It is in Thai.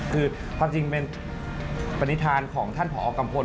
คือความจริงเป็นปฏิฐานของพผมกำพล